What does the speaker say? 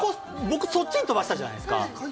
僕、そっちに飛ばしたじゃないですか。